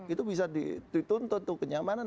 itu bisa dituntut untuk kenyamanan